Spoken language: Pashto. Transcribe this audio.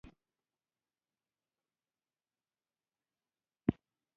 په عینومیني په سالون کې واده و.